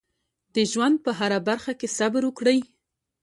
د ژوند په هره برخه کې صبر وکړئ.